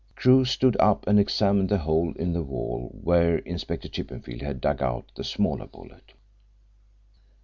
Crewe stood up and examined the hole in the wall where Inspector Chippenfield had dug out the smaller bullet.